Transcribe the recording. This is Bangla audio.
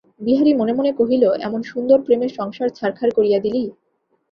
বিহারী মনে মনে কহিল, এমন সুন্দর প্রেমের সংসার ছারখার করিয়া দিলি!